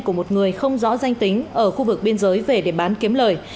của một người không rõ danh tính ở khu vực biên giới về để bán kiếm lời